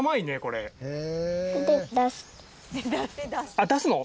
あっ出すの？